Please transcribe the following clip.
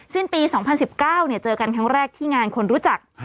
สิ้นปี๒๐๑๙เจอกันครั้งแรกที่งานคนรู้จัก